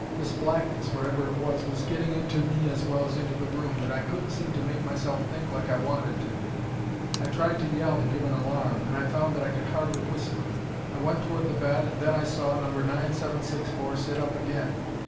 This blackness, whatever it was, was getting into me as well as into the room, and I couldn't seem to make myself think like I wanted to. I tried to yell to give an alarm, and I found that I could hardly whisper. I went toward the bed and then I saw No. 9764 sit up again.